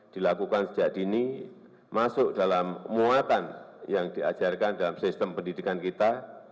dilakukan sejak dini masuk dalam muatan yang diajarkan dalam sistem pendidikan kita